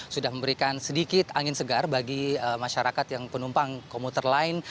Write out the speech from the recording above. sudah memberikan sedikit angin segar bagi masyarakat yang penumpang komuter lain